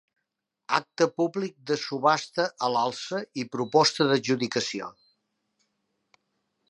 Acte públic de subhasta a l'alça i proposta d'adjudicació.